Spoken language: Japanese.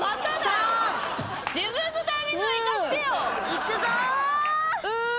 いくぞ。